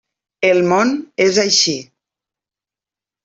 El món és així.